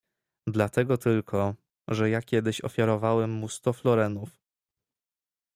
"Dlatego tylko, że ja kiedyś ofiarowałem mu sto florenów."